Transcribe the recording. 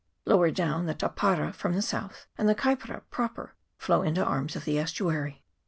Lower down the Tapara from the south and the Kaipara proper flow into arms of the estuary.